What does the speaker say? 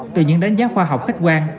từ những đánh giá khoa học khách quan